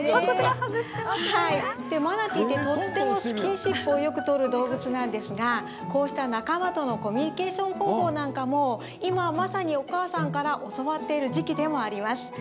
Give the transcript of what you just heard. マナティーってとってもスキンシップをよくとる動物なんですがこうした仲間とのコミュニケーション方法なんかも今まさにお母さんから教わっている時期でもあります。